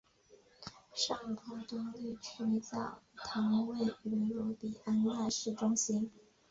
圣伯多禄教区教堂位于卢比安纳市中心。